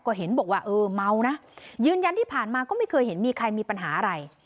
ก็เห็นบอกว่าเออเมานะยืนยันที่ผ่านมาก็ไม่เคยเห็นมีใครมีปัญหาอะไร